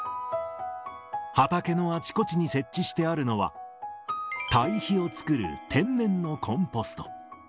畑のあちこちに設置してあるのは、堆肥を作る天然のコンポスト。